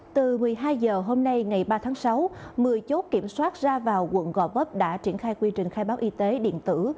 từ một mươi hai h hôm nay ngày ba tháng sáu một mươi chốt kiểm soát ra vào quận gò vấp đã triển khai quy trình khai báo y tế điện tử